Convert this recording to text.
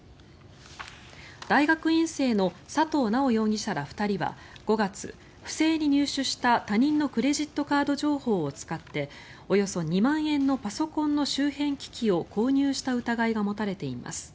大学院生の佐藤直容疑者ら２人は５月不正に入手した他人のクレジットカード情報を使っておよそ２万円のパソコンの周辺機器を購入した疑いが持たれています。